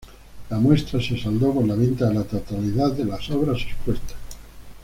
La muestra se saldó con la venta de la totalidad de las obras expuestas.